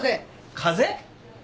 風邪？